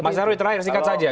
mas nyarwi terakhir singkat saja